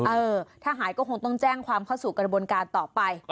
เออถ้าหายก็คงต้องแจ้งความเข้าสู่กระบวนการต่อไป